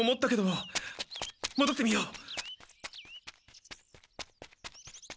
もどってみよう。